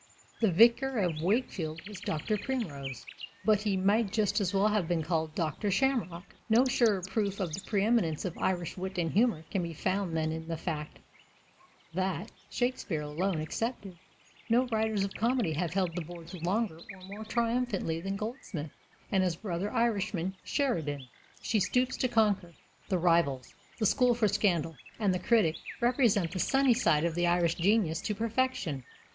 The Vicar of Wakefield was Dr. Primrose, but he might just as well have been called Dr. Shamrock. No surer proof of the pre eminence of Irish wit and humor can be found than in the fact that, Shakespeare alone excepted, no writers of comedy have held the boards longer or more triumphantly than Goldsmith and his brother Irishman, Sheridan. She Stoops to Conquer, The Rivals, The School for Scandal, and The Critic represent the sunny side of the Irish genius to perfection.